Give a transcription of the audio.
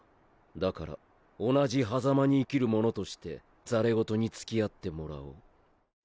だから同じ狭間に生きる者として戯れ言に付き合ってもらおう。